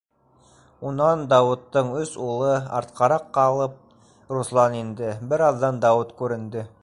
Унан Дауыттың өс улы, артҡараҡ ҡалып, Руслан инде, бер аҙҙан Дауыт күренде.